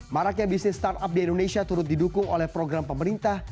maraknya bisnis startup di indonesia turut didukung oleh program pemerintah